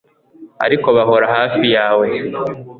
ariko bahora hafi yawe